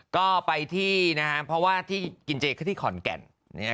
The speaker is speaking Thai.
ก็ไปที่นะฮะเพราะว่าที่กินเจคที่ขอนแก่นเนี่ย